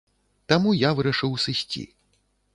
Таму я вырашыў сысці.